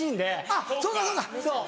あっそうかそうか。